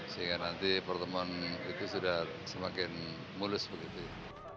sehingga nanti pertemuan itu sudah semakin mulus begitu ya